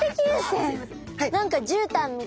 何かじゅうたんみたい。